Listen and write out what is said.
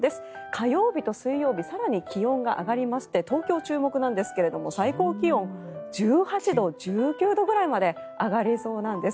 火曜日と水曜日更に気温が上がりまして東京、注目なんですが最高気温１８度、１９度くらいまで上がりそうなんです。